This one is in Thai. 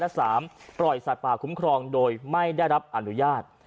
และ๓ปล่อยสัตว์ป่าคุ้มครองโดยไม่ได้รับอนุญาต